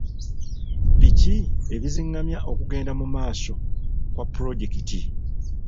Biki ebizingamya okugenda mu maaso kwa pulojekiti?